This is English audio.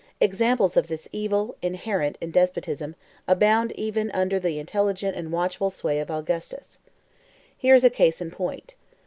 Examples of this evil, inherent in despotism, abound even under the intelligent and watchful sway of Augustus. Here is a case in point.